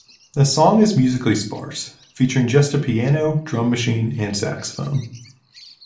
The song is musically sparse, featuring just a piano, drum machine, and saxophone.